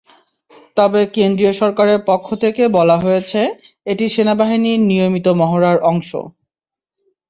তবে কেন্দ্রীয় সরকারের পক্ষ থেকে বলা হয়েছে, এটি সেনাবাহিনীর নিয়মিত মহড়ার অংশ।